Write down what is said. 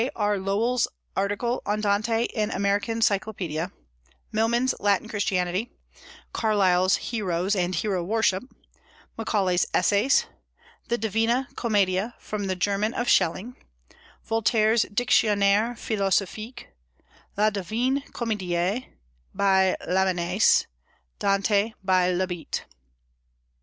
R. Lowell's article on Dante in American Cyclopaedia; Milman's Latin Christianity; Carlyle's Heroes and Hero worship; Macaulay's Essays; The Divina Commedia from the German of Schelling; Voltaire's Dictionnaire Philosophique; La Divine Comédie, by Lamennais; Dante, by Labitte.